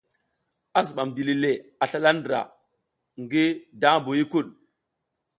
A zibam dili le a slala ndra le ngi daʼmbu huykuɗ.